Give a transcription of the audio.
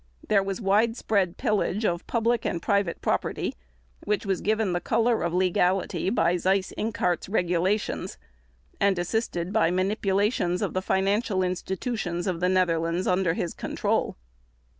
There was widespread pillage of public and private property which was given color of legality by Seyss Inquart's regulations, and assisted by manipulations of the financial institutions of the Netherlands under his control.